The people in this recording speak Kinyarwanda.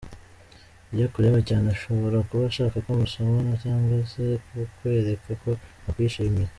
Iyo akureba cyane ashobora kuba ashaka ko musomana cyangwa se kukwereka ko akwishimiye.